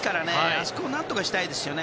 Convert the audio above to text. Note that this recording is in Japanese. あそこを何とかしたいですよね。